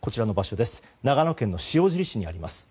長野県塩尻市にあります。